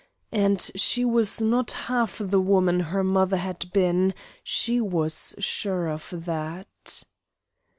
And she was not half the woman her mother had been, she was sure of that.